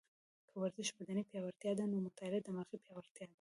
که ورزش بدني پیاوړتیا ده، نو مطاله دماغي پیاوړتیا ده